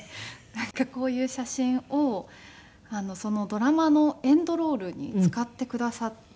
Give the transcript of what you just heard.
なんかこういう写真をドラマのエンドロールに使ってくださって。